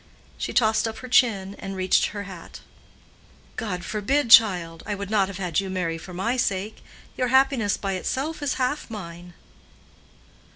She tossed up her chin, and reached her hat. "God forbid, child! I would not have had you marry for my sake. Your happiness by itself is half mine."